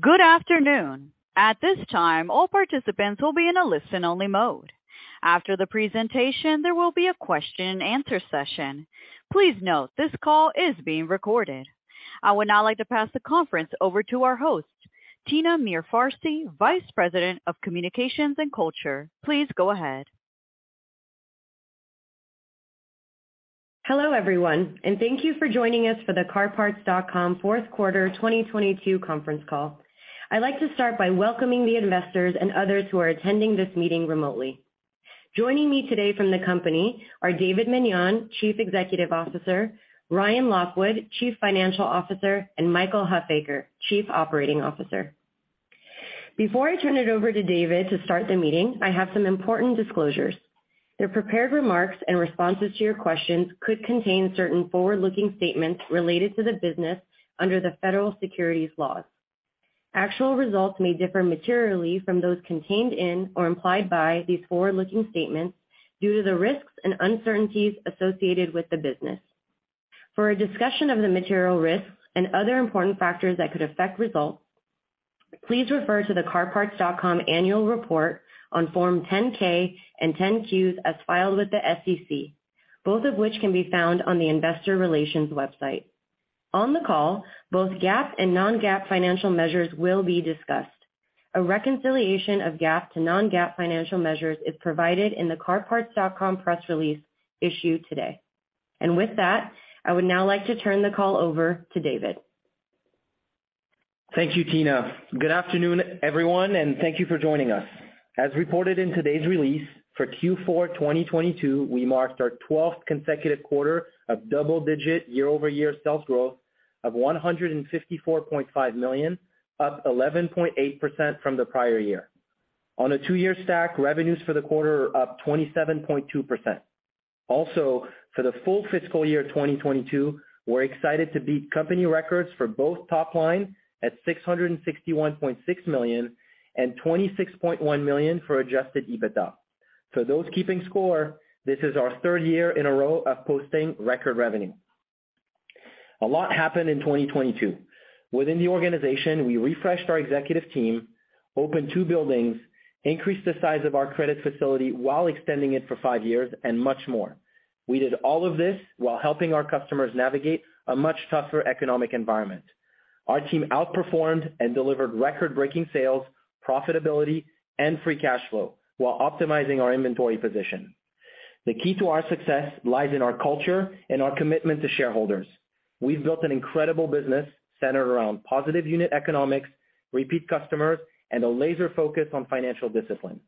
Good afternoon. At this time, all participants will be in a listen-only mode. After the presentation, there will be a question-and-answer session. Please note, this call is being recorded. I would now like to pass the conference over to our host, Tina Mirfarsi, Vice President of Communications and Culture. Please go ahead. Hello, everyone, thank you for joining us for the CarParts.com Fourth Quarter 2022 Conference Call. I'd like to start by welcoming the investors and others who are attending this meeting remotely. Joining me today from the company are David Meniane, Chief Executive Officer, Ryan Lockwood, Chief Financial Officer, and Michael Huffaker, Chief Operating Officer. Before I turn it over to David to start the meeting, I have some important disclosures. The prepared remarks and responses to your questions could contain certain forward-looking statements related to the business under the Federal Securities laws. Actual results may differ materially from those contained in or implied by these forward-looking statements due to the risks and uncertainties associated with the business. For a discussion of the material risks and other important factors that could affect results, please refer to the CarParts.com Annual Report on Form 10-K and 10-Qs as filed with the SEC, both of which can be found on the Investor Relations website. On the call, both GAAP and non-GAAP financial measures will be discussed. A reconciliation of GAAP to non-GAAP financial measures is provided in the CarParts.com press release issued today. With that, I would now like to turn the call over to David. Thank you, Tina. Good afternoon, everyone, and thank you for joining us. As reported in today's release, for Q4 2022, we marked our twelfth consecutive quarter of double-digit year-over-year sales growth of $154.5 million, up 11.8% from the prior year. On a two year stack, revenues for the quarter are up 27.2%. For the full fiscal year 2022, we're excited to beat company records for both top line at $661.6 million and $26.1 million for Adjusted EBITDA. For those keeping score, this is our third year in a row of posting record revenue. A lot happened in 2022. Within the organization, we refreshed our executive team, opened two buildings, increased the size of our credit facility while extending it for five years, and much more. We did all of this while helping our customers navigate a much tougher economic environment. Our team outperformed and delivered record-breaking sales, profitability, and free cash flow while optimizing our inventory position. The key to our success lies in our culture and our commitment to shareholders. We've built an incredible business centered around positive unit economics, repeat customers, and a laser focus on financial discipline,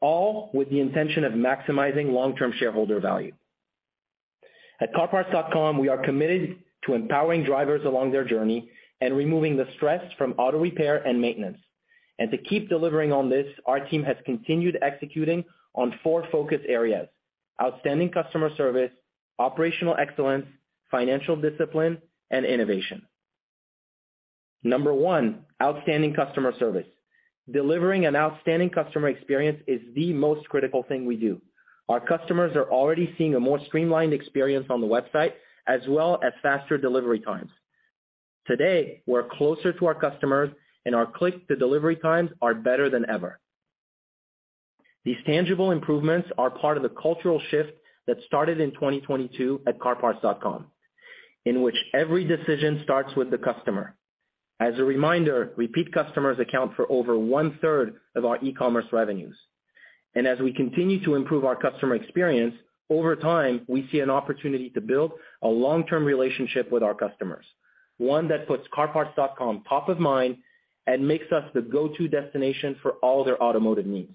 all with the intention of maximizing long-term shareholder value. At CarParts.com, we are committed to empowering drivers along their journey and removing the stress from auto repair and maintenance. To keep delivering on this, our team has continued executing on four focus areas: outstanding customer service, operational excellence, financial discipline, and innovation. Number one, outstanding customer service. Delivering an outstanding customer experience is the most critical thing we do. Our customers are already seeing a more streamlined experience on the website, as well as faster delivery times. Today, we're closer to our customers, and our click-to-delivery times are better than ever. These tangible improvements are part of the cultural shift that started in 2022 at CarParts.com, in which every decision starts with the customer. As a reminder, repeat customers account for over 1/3 of our e-commerce revenues. As we continue to improve our customer experience, over time, we see an opportunity to build a long-term relationship with our customers, one that puts CarParts.com top of mind and makes us the go-to destination for all their automotive needs.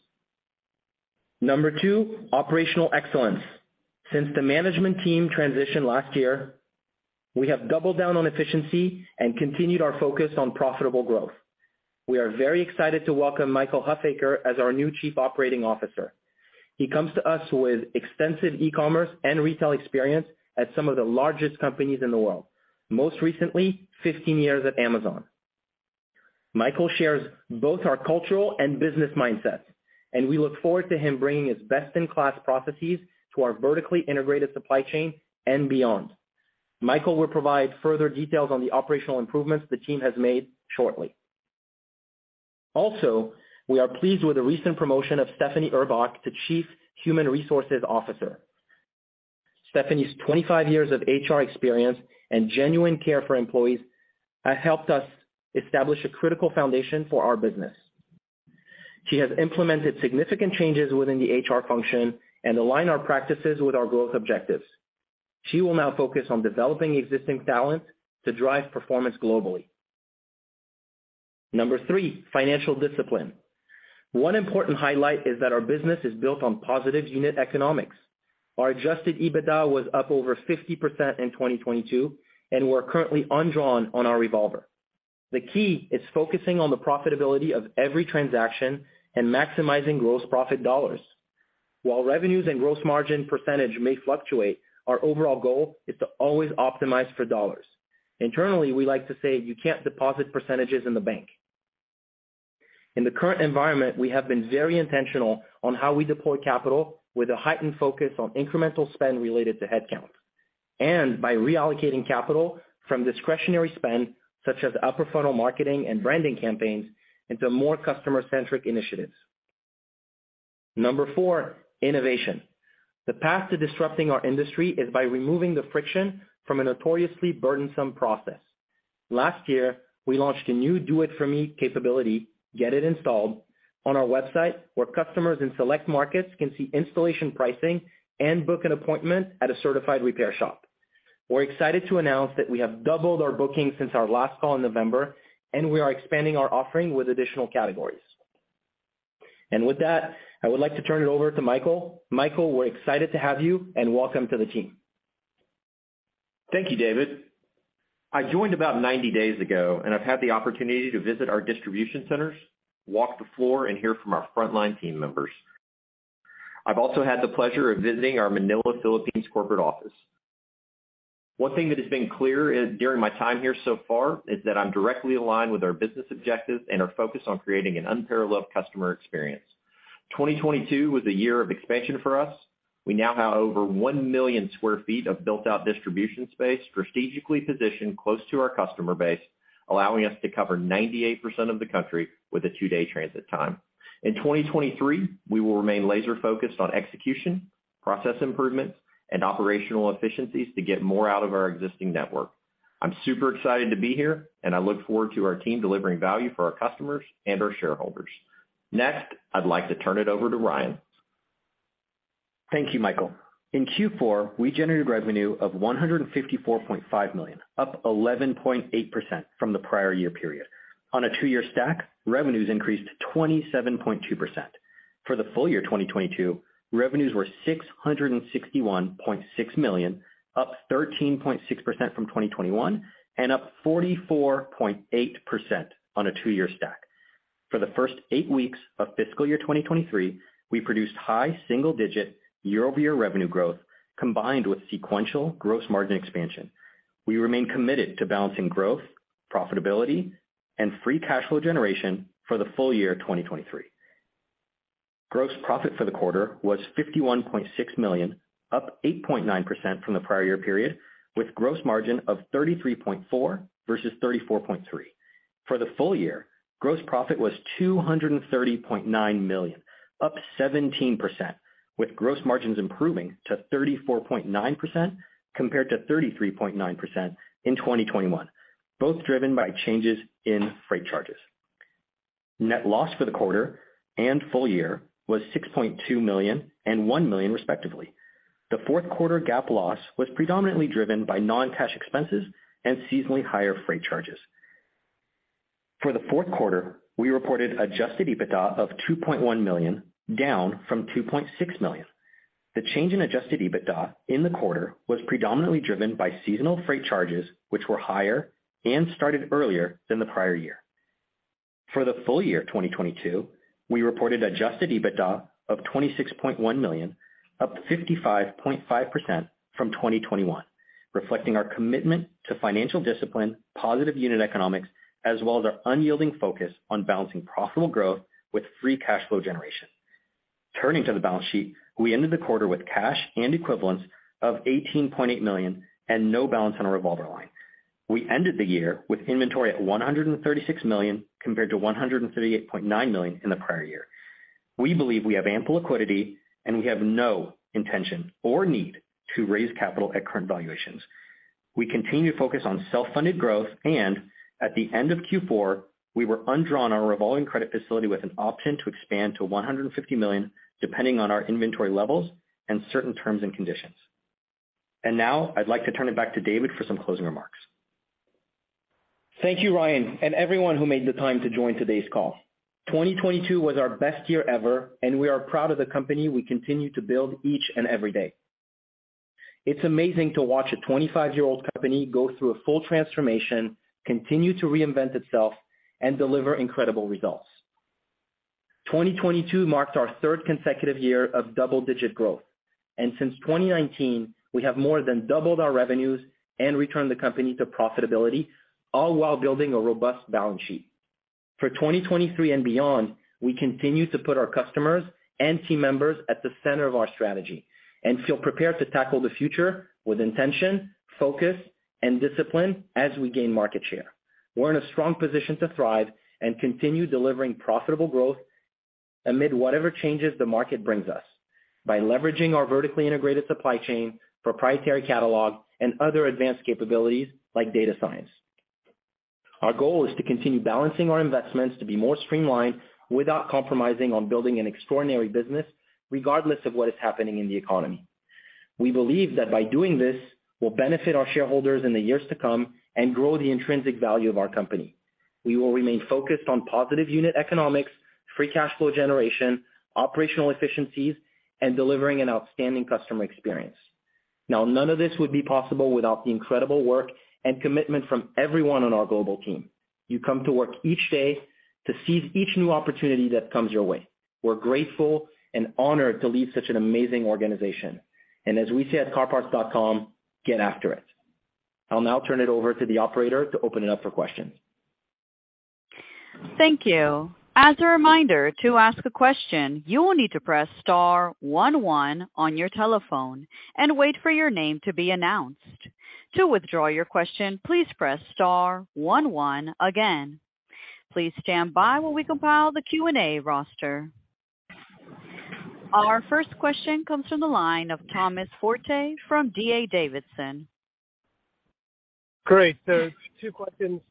Number two, operational excellence. Since the management team transitioned last year, we have doubled down on efficiency and continued our focus on profitable growth. We are very excited to welcome Michael Huffaker as our new Chief Operating Officer. He comes to us with extensive e-commerce and retail experience at some of the largest companies in the world, most recently 15 years at Amazon. Michael shares both our cultural and business mindset, and we look forward to him bringing his best-in-class processes to our vertically integrated supply chain and beyond. Michael will provide further details on the operational improvements the team has made shortly. We are pleased with the recent promotion of Stephanie Urbach to Chief Human Resources Officer. Stephanie's 25 years of HR experience and genuine care for employees have helped us establish a critical foundation for our business. She has implemented significant changes within the HR function and align our practices with our growth objectives. She will now focus on developing existing talent to drive performance globally. Number three, financial discipline. One important highlight is that our business is built on positive unit economics. Our Adjusted EBITDA was up over 50% in 2022, and we're currently undrawn on our revolver. The key is focusing on the profitability of every transaction and maximizing gross profit dollars. While revenues and gross margin percentage may fluctuate, our overall goal is to always optimize for dollars. Internally, we like to say you can't deposit percentages in the bank. In the current environment, we have been very intentional on how we deploy capital with a heightened focus on incremental spend related to headcount, and by reallocating capital from discretionary spend, such as upper funnel marketing and branding campaigns, into more customer-centric initiatives. Number four, innovation. The path to disrupting our industry is by removing the friction from a notoriously burdensome process. Last year, we launched a new Do-It-For-Me capability, Get It Installed, on our website, where customers in select markets can see installation pricing and book an appointment at a certified repair shop. We're excited to announce that we have doubled our bookings since our last call in November, and we are expanding our offering with additional categories. With that, I would like to turn it over to Michael. Michael, we're excited to have you, and welcome to the team. Thank you, David. I joined about 90 days ago, and I've had the opportunity to visit our distribution centers, walk the floor, and hear from our frontline team members. I've also had the pleasure of visiting our Manila, Philippines, corporate office. One thing that has been clear during my time here so far is that I'm directly aligned with our business objectives and our focus on creating an unparalleled customer experience. 2022 was a year of expansion for us. We now have over 1 million sq ft of built-out distribution space strategically positioned close to our customer base, allowing us to cover 98% of the country with a two day transit time. In 2023, we will remain laser-focused on execution, process improvements, and operational efficiencies to get more out of our existing network. I'm super excited to be here, and I look forward to our team delivering value for our customers and our shareholders. Next, I'd like to turn it over to Ryan. Thank you, Michael. In Q4, we generated revenue of $154.5 million, up 11.8% from the prior year period. On a two-year stack, revenues increased 27.2%. For the full year 2022, revenues were $661.6 million, up 13.6% from 2021, and up 44.8% on a two-year stack. For the first eight weeks of fiscal year 2023, we produced high single-digit year-over-year revenue growth combined with sequential gross margin expansion. We remain committed to balancing growth, profitability, and free cash flow generation for the full year 2023. Gross profit for the quarter was $51.6 million, up 8.9% from the prior year period, with gross margin of 33.4% versus 34.3%. For the full year, gross profit was $230.9 million, up 17%, with gross margins improving to 34.9% compared to 33.9% in 2021, both driven by changes in freight charges. Net loss for the quarter and full year was $6.2 million and $1 million respectively. The fourth quarter GAAP loss was predominantly driven by non-cash expenses and seasonally higher freight charges. For the fourth quarter, we reported Adjusted EBITDA of $2.1 million, down from $2.6 million. The change in Adjusted EBITDA in the quarter was predominantly driven by seasonal freight charges, which were higher and started earlier than the prior year. For the full year 2022, we reported Adjusted EBITDA of $26.1 million, up 55.5% from 2021, reflecting our commitment to financial discipline, positive unit economics, as well as our unyielding focus on balancing profitable growth with free cash flow generation. Turning to the balance sheet, we ended the quarter with cash and equivalents of $18.8 million and no balance on our revolver line. We ended the year with inventory at $136 million compared to $138.9 million in the prior year. We believe we have ample liquidity, and we have no intention or need to raise capital at current valuations. We continue to focus on self-funded growth. At the end of Q4, we were undrawn on our revolving credit facility with an option to expand to $150 million depending on our inventory levels and certain terms and conditions. Now I'd like to turn it back to David for some closing remarks. Thank you, Ryan, everyone who made the time to join today's call. 2022 was our best year ever. We are proud of the company we continue to build each and every day. It's amazing to watch a 25-year-old company go through a full transformation, continue to reinvent itself, and deliver incredible results. 2022 marked our third consecutive year of double-digit growth. Since 2019, we have more than doubled our revenues and returned the company to profitability, all while building a robust balance sheet. For 2023 and beyond, we continue to put our customers and team members at the center of our strategy and feel prepared to tackle the future with intention, focus, and discipline as we gain market share. We're in a strong position to thrive and continue delivering profitable growth amid whatever changes the market brings us by leveraging our vertically integrated supply chain, proprietary catalog, and other advanced capabilities like data science. Our goal is to continue balancing our investments to be more streamlined without compromising on building an extraordinary business regardless of what is happening in the economy. We believe that by doing this will benefit our shareholders in the years to come and grow the intrinsic value of our company. We will remain focused on positive unit economics, free cash flow generation, operational efficiencies, and delivering an outstanding customer experience. None of this would be possible without the incredible work and commitment from everyone on our global team. You come to work each day to seize each new opportunity that comes your way. We're grateful and honored to lead such an amazing organization. As we say at CarParts.com, "Get after it." I'll now turn it over to the Operator to open it up for questions. Thank you. As a reminder, to ask a question, you will need to press star one one on your telephone and wait for your name to be announced. To withdraw your question, please press star one one again. Please stand by while we compile the Q&A roster. Our first question comes from the line of Thomas Forte from D.A. Davidson. Great. Two questions.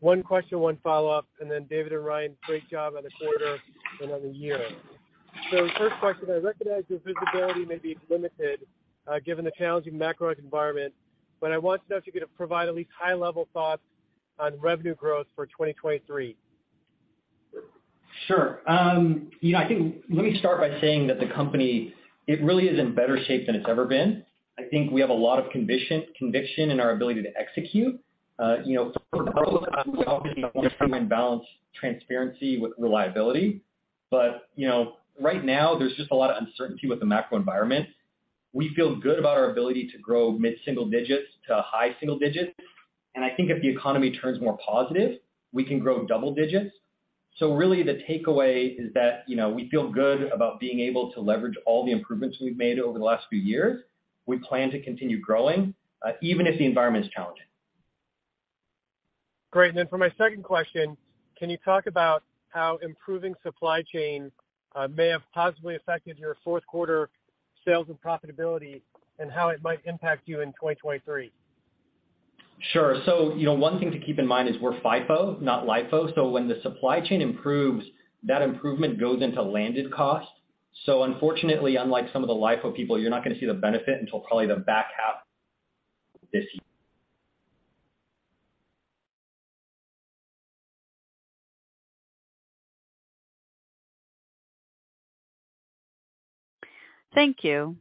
One question, one follow-up, David and Ryan, great job on the quarter and on the year. First question, I recognize your visibility may be limited, given the challenging macro environment, but I want to know if you could provide at least high-level thoughts on revenue growth for 2023. Sure. you know, I think let me start by saying that the company, it really is in better shape than it's ever been. I think we have a lot of conviction in our ability to execute. you know, for growth, we obviously want to balance transparency with reliability. you know, right now there's just a lot of uncertainty with the macro environment. We feel good about our ability to grow mid-single digits to high single digits, and I think if the economy turns more positive, we can grow double digits. Really the takeaway is that, you know, we feel good about being able to leverage all the improvements we've made over the last few years. We plan to continue growing, even if the environment is challenging. Great. For my second question, can you talk about how improving supply chain, may have positively affected your fourth quarter sales and profitability, and how it might impact you in 2023? Sure. You know, one thing to keep in mind is we're FIFO, not LIFO. When the supply chain improves, that improvement goes into landed costs. Unfortunately, unlike some of the LIFO people, you're not gonna see the benefit until probably the back half this year. Thank you.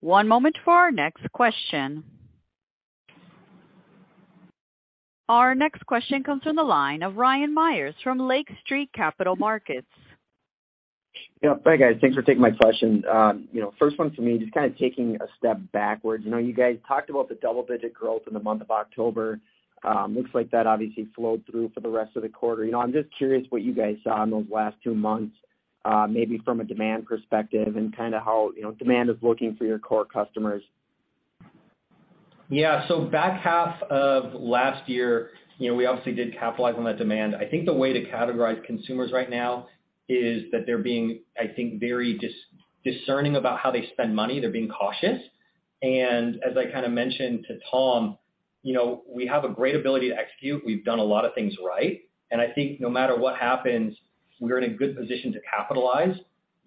One moment for our next question. Our next question comes from the line of Ryan Myers from Lake Street Capital Markets. Yeah. Hi, guys. Thanks for taking my question. You know, first one for me, just kind of taking a step backwards. You know, you guys talked about the double-digit growth in the month of October. Looks like that obviously flowed through for the rest of the quarter. You know, I'm just curious what you guys saw in those last two months, maybe from a demand perspective and kinda how, you know, demand is looking for your core customers. Yeah. Back half of last year, you know, we obviously did capitalize on that demand. I think the way to categorize consumers right now is that they're being, I think, very discerning about how they spend money. They're being cautious. As I kinda mentioned to Tom, you know, we have a great ability to execute. We've done a lot of things right. I think no matter what happens, we're in a good position to capitalize.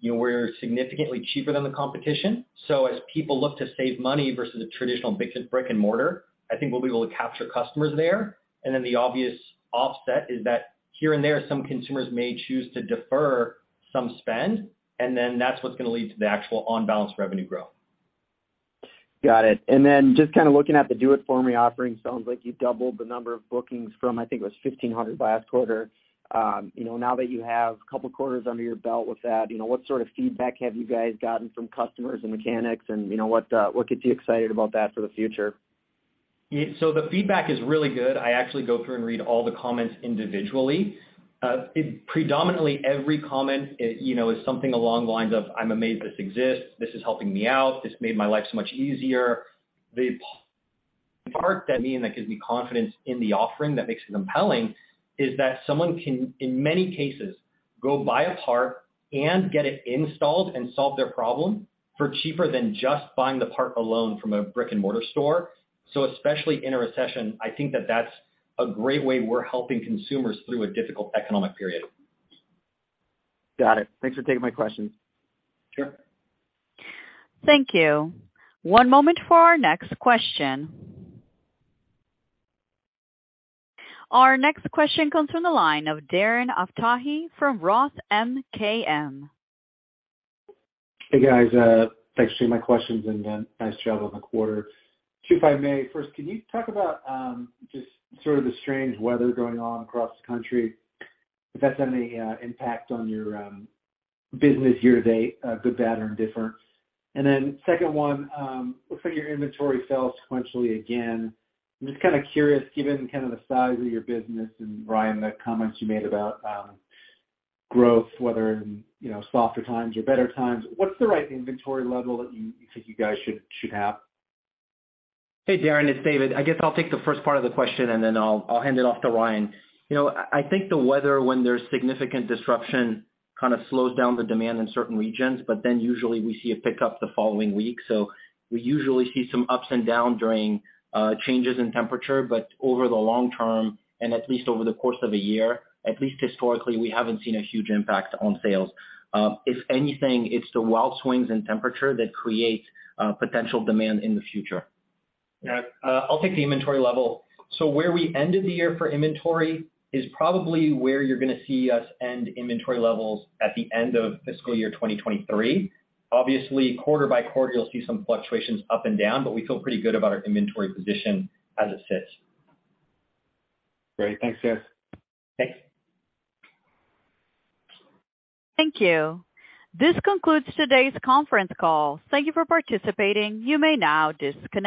You know, we're significantly cheaper than the competition. As people look to save money versus a traditional brick-and-mortar, I think we'll be able to capture customers there. The obvious offset is that here and there, some consumers may choose to defer some spend, and then that's what's gonna lead to the actual on-balance revenue growth. Got it. just kinda looking at the Do-It-For-Me offering, sounds like you doubled the number of bookings from, I think it was 1,500 last quarter. you know, now that you have a couple quarters under your belt with that, you know, what sort of feedback have you guys gotten from customers and mechanics and, you know, what gets you excited about that for the future? Yeah. The feedback is really good. I actually go through and read all the comments individually. Predominantly every comment, you know, is something along the lines of, "I'm amazed this exists. This is helping me out. This made my life so much easier." The part that gives me confidence in the offering that makes it compelling is that someone can, in many cases, go buy a part and Get It Installed and solve their problem for cheaper than just buying the part alone from a brick-and-mortar store. Especially in a recession, I think that that's a great way we're helping consumers through a difficult economic period. Got it. Thanks for taking my questions. Sure. Thank you. One moment for our next question. Our next question comes from the line of Darren Aftahi from Roth MKM. Hey, guys. Thanks for taking my questions and nice job on the quarter. Two, if I may. First, can you talk about just sort of the strange weather going on across the country, if that's had any impact on your business year to date, good, bad, or indifferent? Second one, looks like your inventory fell sequentially again. I'm just kinda curious, given kind of the size of your business and Ryan, the comments you made about growth, whether in, you know, softer times or better times, what's the right inventory level that you think you guys should have? Hey, Darren, it's David. I guess I'll take the first part of the question, and then I'll hand it off to Ryan. You know, I think the weather, when there's significant disruption, kinda slows down the demand in certain regions, but then usually we see a pickup the following week. We usually see some ups and downs during changes in temperature. Over the long term, and at least over the course of a year, at least historically, we haven't seen a huge impact on sales. If anything, it's the wild swings in temperature that create potential demand in the future. I'll take the inventory level. Where we ended the year for inventory is probably where you're gonna see us end inventory levels at the end of fiscal year 2023. Obviously, quarter by quarter, you'll see some fluctuations up and down, but we feel pretty good about our inventory position as it sits. Great. Thanks, guys. Thanks. Thank you. This concludes today's conference call. Thank you for participating. You may now disconnect.